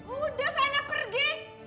udah sana pergi